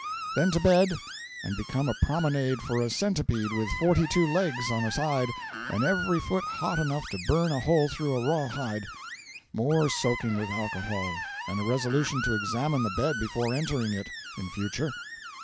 Then to bed and become a promenade for a centipede with forty two legs on a side and every foot hot enough to burn a hole through a raw hide. More soaking with alcohol, and a resolution to examine the bed before entering it, in future.